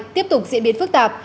tiếp tục diễn biến phức tạp